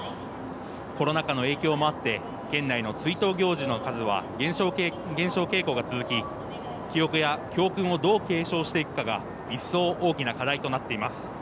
コロナ禍の影響もあって県内の追悼行事の数は減少傾向が続き、記憶や教訓をどう継承していくかが一層、大きな課題となっています。